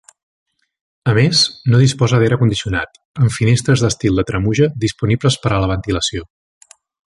A més, no disposa d'aire condicionat, amb finestres d'estil de tremuja disponibles per a la ventilació.